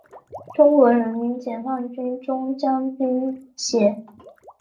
中国人民解放军中将军衔。